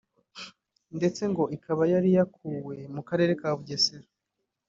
ndetse ngo ikaba yari yakuwe mu karere ka Bugesera